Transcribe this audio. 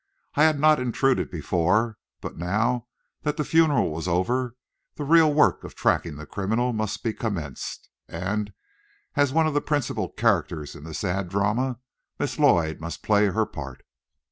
I had not intruded before, but now that the funeral was over, the real work of tracking the criminal must be commenced, and as one of the principal characters in the sad drama, Miss Lloyd must play her part.